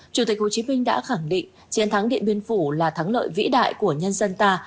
chủ tịch hồ chí minh đã khẳng định chiến thắng điện biên phủ là thắng lợi vĩ đại của nhân dân ta